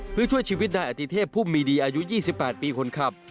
เพื่อช่วยชีวิตนายอติเทพพุ่มมีดีอายุ๒๘ปีคนขับ